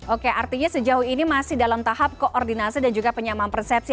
oke artinya sejauh ini masih dalam tahap koordinasi dan juga penyamaan persepsi